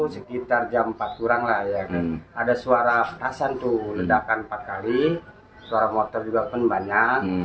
sekitar jam empat kurang lah ya kan ada suara perasaan tuh ledakan empat kali suara motor juga pun banyak